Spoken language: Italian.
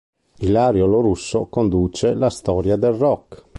Ilario Lorusso conduce la "Storia del rock".